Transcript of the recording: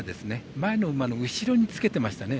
前の馬の後ろにつけていますね。